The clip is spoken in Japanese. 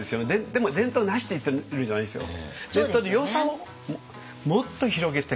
でも伝統なしって言ってるんじゃないですよ。